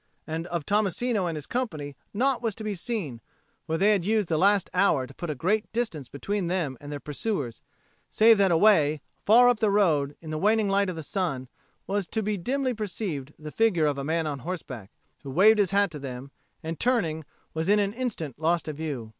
And of Tommasino and his company naught was to be seen for they had used the last hour to put a great distance between them and their pursuers save that away, far up the road, in the waning light of the sun, was to be dimly perceived the figure of a man on horseback, who waved his hat to them and, turning, was in an instant lost to view.